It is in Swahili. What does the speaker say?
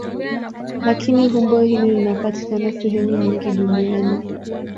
Lakini umbo hili linapatikana sehemu nyingi duniani.